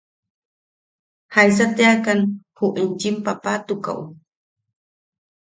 –¿Jaisa teakan ju enchim paapatukaʼu?